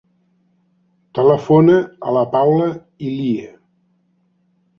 Telefona a la Paula Ilie.